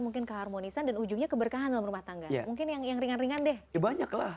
mungkin keharmonisan dan ujungnya keberkahan dalam rumah tangga mungkin yang ringan ringan deh banyak lah